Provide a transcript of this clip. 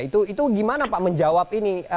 itu gimana pak menjawab ini